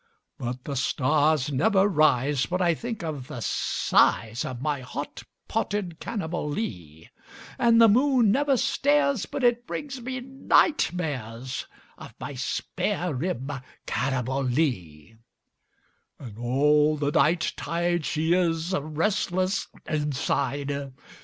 But the stars never rise but I think of the size Of my hot potted Cannibalee, And the moon never stares but it brings me night mares Of my spare rib Cannibalee; And all the night tide she is restless inside.